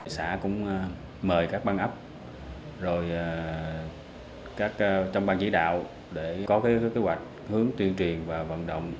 xã cũng mời các băng ấp rồi các trong ban chỉ đạo để có kế hoạch hướng tuyên truyền và vận động